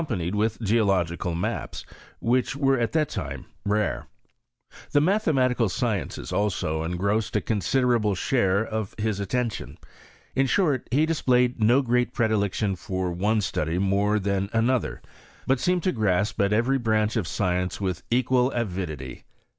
77 panied with geological maps ; which were at that The matheniatical sciences also engrossed a consi derable share of his attentiaa. In short he dis played no great predilection for one study more than another, but seemed to grasp at every branch of acience with equal avidity.